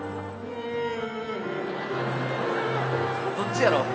どっちやろう？